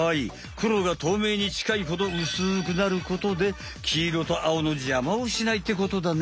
くろがとうめいにちかいほどうすくなることできいろとあおのじゃまをしないってことだね。